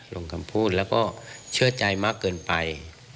ลงคำพูดแล้วก็เชื่อใจมากเกินไป